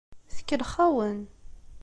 Tkellex-awen.